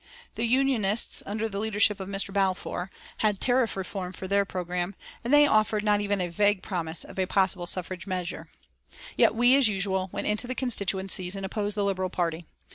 The Unionists under the leadership of Mr. Balfour, had tariff reform for their programme, and they offered not even a vague promise of a possible suffrage measure. Yet we, as usual, went into the constituencies and opposed the Liberal Party.